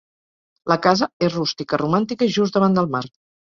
La casa és rústica, romàntica i just davant del mar.